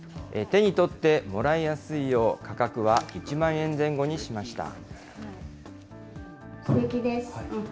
手に取ってもらいやすいよう、価格は１万円前後にしました。